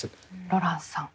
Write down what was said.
ロランスさん